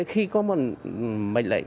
khi có một mệnh lệnh